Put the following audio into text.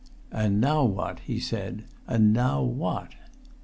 "And now what?" said he. "And now what?"